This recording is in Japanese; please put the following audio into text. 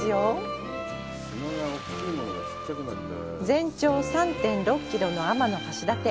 全長３．６キロの天橋立。